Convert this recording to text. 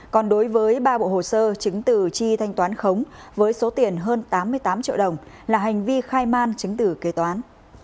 còn đối với ba bộ hồ sơ chứng từ chi thanh toán khống với số tiền hơn tám mươi tám triệu đồng là hành vi khai man chứng tử kế toán